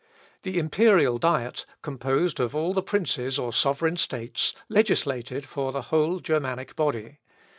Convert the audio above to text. The Imperial Diet, composed of all the princes or sovereign states, legislated for the whole Germanic body.